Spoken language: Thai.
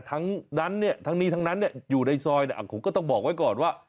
แต่ทั้งนั้นนี้อยู่ในซอยผมก็ต้องบอกไว้ก่อนว่า